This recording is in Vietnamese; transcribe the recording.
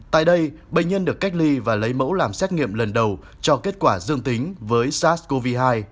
tại đây bệnh nhân được cách ly và lấy mẫu làm xét nghiệm lần đầu cho kết quả dương tính với sars cov hai